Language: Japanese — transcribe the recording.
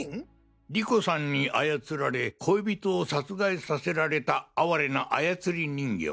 莉子さんに操られ恋人を殺害させられた哀れな操り人形。